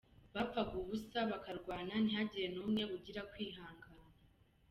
Bapfaga ubusa bakarwana ntihagire n’umwe ugira kwihangana.